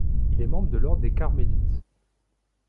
Il est membre de l'ordre des carmélites.